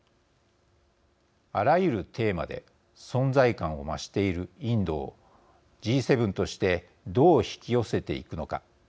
あらゆるテーマで存在感を増しているインドをＧ７としてどう引き寄せていくのか。